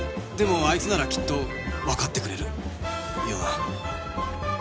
あいつならきっとわかってくれるよな